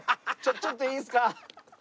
ちょっといいですか？